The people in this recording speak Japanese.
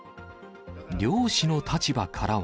漁師の立場からは。